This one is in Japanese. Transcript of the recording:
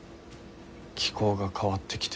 気候が変わってきてる。